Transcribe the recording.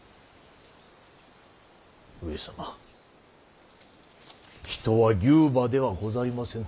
上様人は牛馬ではございませぬ。